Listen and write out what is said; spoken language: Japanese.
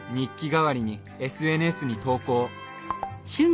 代わりにＳＮＳに投稿。